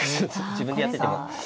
自分でやってても。